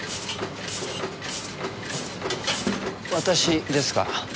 私ですが。